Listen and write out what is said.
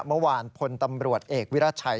เมื่อวานพลตำรวจเอกวิรัชัย